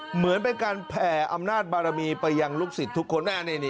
เหมือนเป็นการแผ่อำนาจบารมีไปยังลูกศิษย์ทุกคน